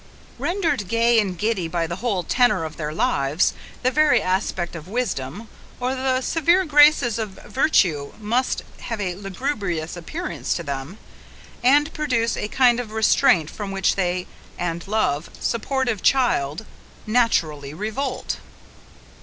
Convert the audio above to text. Rendered gay and giddy by the whole tenor of their lives, the very aspect of wisdom, or the severe graces of virtue must have a lugubrious appearance to them; and produce a kind of restraint from which they and love, sportive child, naturally revolt.